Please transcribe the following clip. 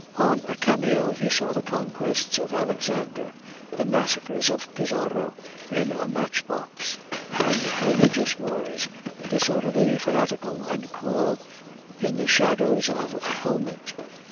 On a cameo he saw the conquests of Alexander, the massacres of Pizarro in a matchbox, and religious wars disorderly, fanatical, and cruel, in the shadows of a helmet.